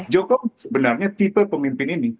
jokowi sebenarnya tipe pemimpin ini